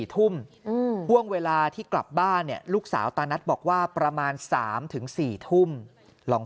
ห่วงเวลาที่กลับบ้านเนี่ยลูกสาวตานัทบอกว่าประมาณ๓๔ทุ่มลอง